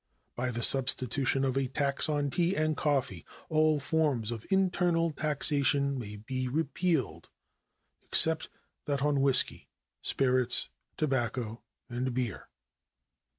By the substitution of a tax on tea and coffee all forms of internal taxation may be repealed, except that on whisky, spirits, tobacco, and beer.